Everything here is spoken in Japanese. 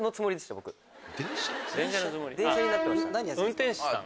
運転士さん？